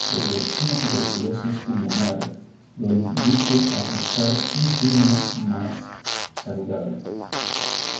Pero una tuberculosis pulmonar lo induce a buscar un clima más saludable.